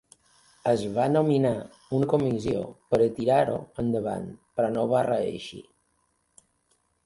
Es va nomenar una comissió per a tirar-ho endavant, però no va reeixir.